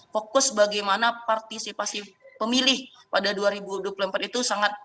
fokus bagaimana partisipasi pemilih pada dua ribu dua puluh empat itu sangat